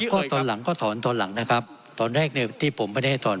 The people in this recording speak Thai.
ก็ตอนหลังก็ถอนตอนหลังนะครับตอนแรกเนี่ยที่ผมไม่ได้ให้ถอน